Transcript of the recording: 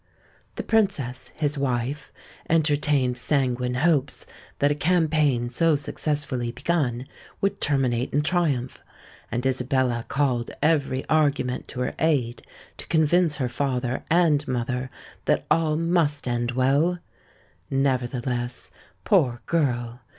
The Princess, his wife, entertained sanguine hopes that a campaign so successfully begun, would terminate in triumph; and Isabella called every argument to her aid to convince her father and mother that all must end well! Nevertheless, poor girl!